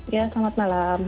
ya selamat malam